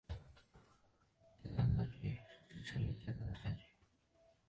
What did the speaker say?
街道家具泛指所有设立于街道的家具设施。